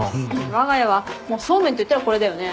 わが家はそうめんといったらこれだよね。